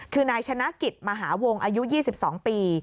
คือนายชนะกิจมหาวงอายุ๒๒ปี